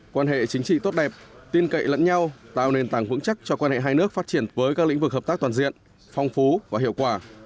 quan hệ chính trị tốt đẹp tin cậy lẫn nhau tạo nền tảng vững chắc cho quan hệ hai nước phát triển với các lĩnh vực hợp tác toàn diện phong phú và hiệu quả